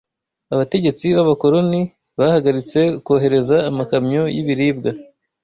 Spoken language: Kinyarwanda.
abategetsi b’abakoloni bahagaritse kohereza amakamyo y’ibiribwa